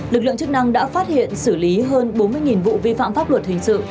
lực lượng chức năng đã phát hiện xử lý hơn bốn mươi vụ vi phạm pháp luật hình sự